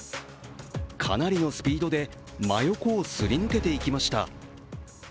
かなりのスピードで真横をすり抜けていきました。